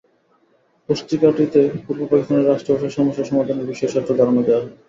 পুস্তিকাটিতে পূর্ব পাকিস্তানের রাষ্ট্রভাষা সমস্যা সমাধানের বিষয়ে স্বচ্ছ ধারণা দেওয়া হয়।